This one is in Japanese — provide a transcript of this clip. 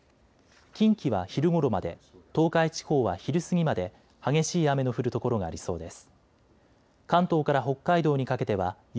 近畿は昼ごろまで、東海地方は昼過ぎまで激しい雨の降る所がありそうです。